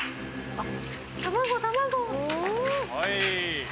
あっ。